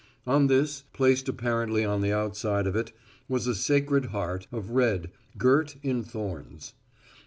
On this, placed apparently on the outside of it, was a Sacred Heart of red, girt in thorns.